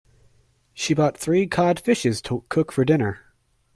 She bought three cod fishes to cook for dinner.